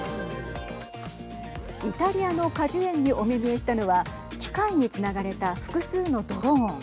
イタリアの果樹園にお目見えしたのは機械につながれた複数のドローン。